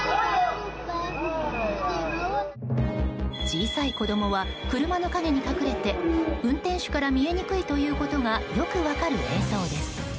小さい子供は車の陰に隠れて運転手から見えにくいということがよく分かる映像です。